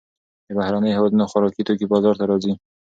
د بهرنیو هېوادونو خوراکي توکي بازار ته راځي.